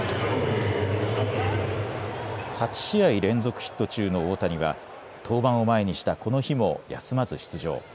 ８試合連続ヒット中の大谷は登板を前にしたこの日も休まず出場。